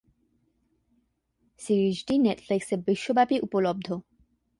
সিরিজটি নেটফ্লিক্সে বিশ্বব্যাপী উপলব্ধ।